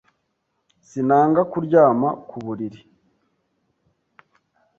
Sinanga kuryama ku buriri.